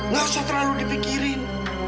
nggak usah terlalu dipikirin